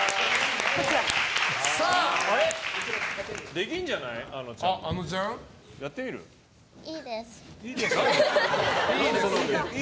できるんじゃない？